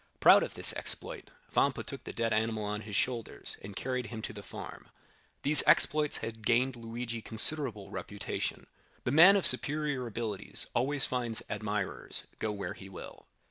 Proud of this exploit, Vampa took the dead animal on his shoulders, and carried him to the farm. These exploits had gained Luigi considerable reputation. The man of superior abilities always finds admirers, go where he will.